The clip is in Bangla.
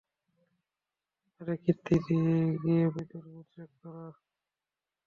আরে কার্তি, গিয়ে বিদ্যুৎ বোর্ড চেক কর।